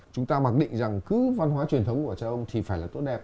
chúng ta mặc định rằng cứ văn hóa truyền thống của cha ông thì phải là tốt đẹp